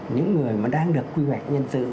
những người đang được quy hoạch nhân sự